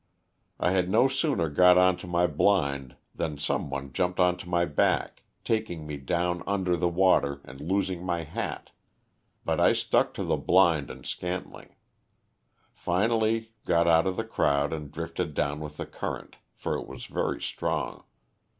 I had no sooner got onto my blind than some one jumped onto my back, taking me down under the water and losing my hat, but I stuck to the blind and scantling ; finally got out of the crowd and drifted down with the current, for it was very strong.